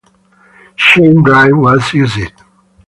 Chain drive was used.